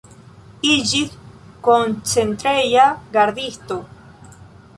Iĝis koncentreja gardisto.